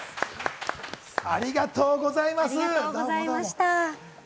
ありがとうございます！